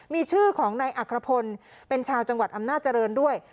มีชื่อของนายอัครพลเป็นชาวจังหวัดอำนาจริงด้วย